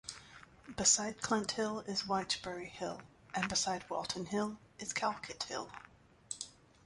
Beside Clent Hill is Wychbury Hill and beside Walton Hill is Calcot Hill.